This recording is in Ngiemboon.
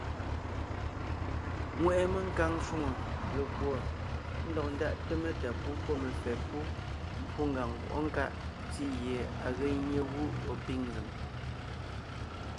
Ŋweʼe menkàŋ shwòŋo lekùɔ ndɔg ndáʼte metá pú pɔ́ mefɛ́ pú mbwó ngàŋ nkwɔʼɔ́ nkáʼ ntí gie à ge nyé gú ɔ̀ pîŋ nzèm.